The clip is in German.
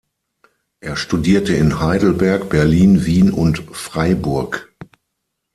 Er studierte in Heidelberg, Berlin, Wien und Freiburg.